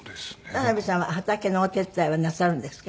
田辺さんは畑のお手伝いはなさるんですか？